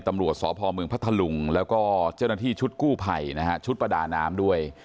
ตำรวจสพเมืองพัทธลุงแล้วก็เจ้าหน้าที่ชุดกู้ภัยนะฮะชุดประดาน้ำด้วย